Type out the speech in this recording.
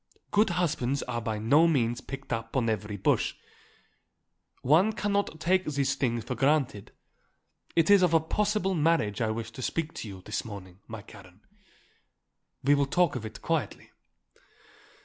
Good husbands are by no means picked up on every bush. One cannot take these things for granted. It is of a possible marriage I wish to speak to you this morning, my Karen. We will talk of it quietly."